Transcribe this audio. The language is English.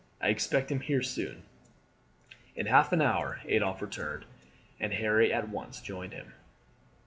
I expect him here soon." In half an hour Adolphe returned, and Harry at once joined him.